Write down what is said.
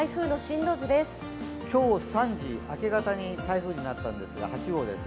今日３時、明け方に台風になったんですが、８号です。